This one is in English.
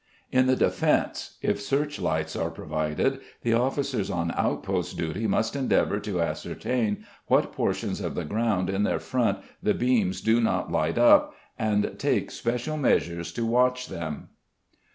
In the defence, if searchlights are provided, the officers on outpost duty must endeavour to ascertain what portions of the ground in their front the beams do not light up, and take special measures to watch them.